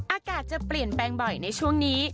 อากาศจะเปลี่ยนแปลงบ่อยในช่วงนี้